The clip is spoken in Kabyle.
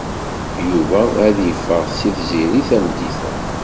Yuba ad yeffeɣ d Tiziri tameddit-a.